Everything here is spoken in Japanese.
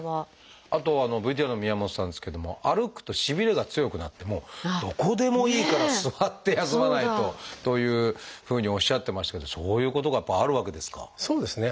あとＶＴＲの宮本さんですけども歩くとしびれが強くなってもうどこでもいいから座って休まないとというふうにおっしゃってましたけどそういうことがやっぱりあるわけですか？